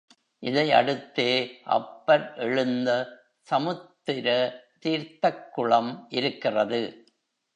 இதை அடுத்தே அப்பர் எழுந்த சமுத்திர தீர்த்தக் குளம் இருக்கிறது.